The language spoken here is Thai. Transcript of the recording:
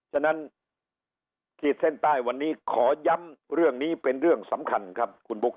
ฉะนั้นขีดเส้นใต้วันนี้ขอย้ำเรื่องนี้เป็นเรื่องสำคัญครับคุณบุ๊ค